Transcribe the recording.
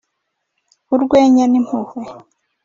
urwenya n'impuhwe.